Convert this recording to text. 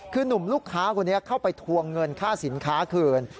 คือหนุ่มลูกค้าคนนี้เข้าไปทวงเงินค่าสินค้าคืน